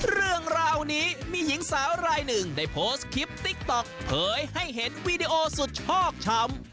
เรื่องราวนี้มีหญิงสาวรายหนึ่งได้โพสต์คลิปติ๊กต๊อกเผยให้เห็นวีดีโอสุดชอกช้ำ